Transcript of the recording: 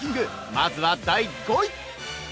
まずは第５位。